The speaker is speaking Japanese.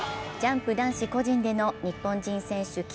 ジャンプ男子個人での日本人選手